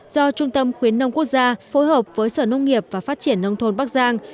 do trung tâm khuyến nông quốc gia phối hợp với sở nông nghiệp và phát triển nông thôn bắc giang